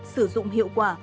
sử dụng hiệu quả